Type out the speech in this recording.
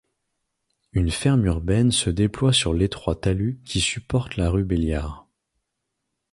Une ferme urbaine se déploie sur l'étroit talus qui supporte la rue Belliard.